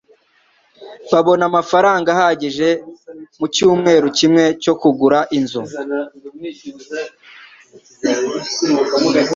Babona amafaranga ahagije mucyumweru kimwe cyo kugura inzu.